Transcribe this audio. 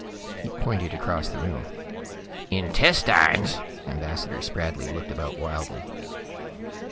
He pointed across the room. "Intestines?" Ambassador Spradley looked about wildly.